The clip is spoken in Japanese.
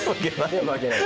負けない。